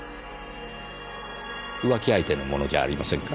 浮気相手のものじゃありませんか？